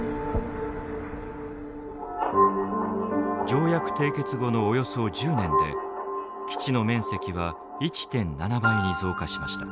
条約締結後のおよそ１０年で基地の面積は１．７倍に増加しました。